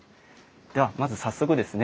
ではまず早速ですね